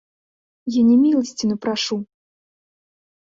Я не міласціну прашу!